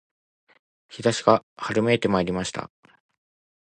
陽射しが春めいてまいりました